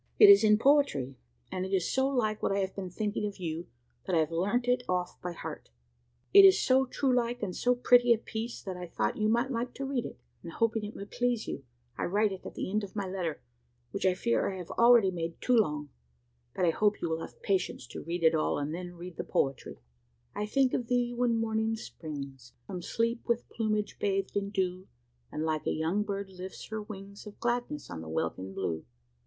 It is in poetry; and it is so like what I have been thinking of you, that I have learnt it off by heart. It is so true like and so pretty a piece that I thought you might like to read it, and hoping it may please you, I write it at the end of my letter, which I fear I have already made too long; but I hope you will have patience to read it all, and then read the poetry: "I think of thee when Morning springs From sleep with plumage bathed in dew; And like a young bird lifts her wings Of gladness on the welkin blue.